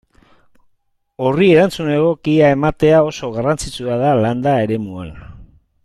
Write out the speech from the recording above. Horri erantzun egokia ematea oso garrantzitsua da landa eremuan.